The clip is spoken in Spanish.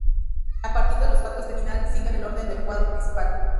A partir de los cuartos de final, siguen el orden del cuadro principal.